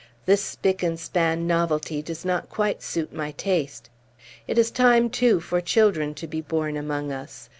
This spick and span novelty does not quite suit my taste. It is time, too, for children to be born among us.